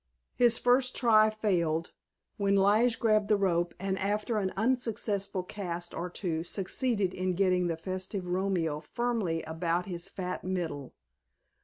His first try failed, when Lige grabbed the rope, and after an unsuccessful cast or two succeeded in getting the festive Romeo firmly about his fat middle.